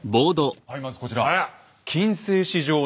はいまずこちら。